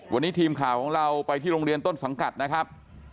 วันนี้ทีมข่าวของเราไปที่โรงเรียนต้นสังกัดนะครับ